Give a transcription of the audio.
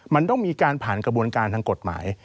มันต้องมีการผ่านกระบวนการทางกฎหมาย